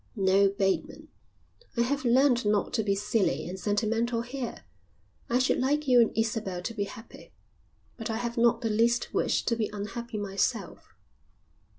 "No, Bateman, I have learnt not to be silly and sentimental here. I should like you and Isabel to be happy, but I have not the least wish to be unhappy myself."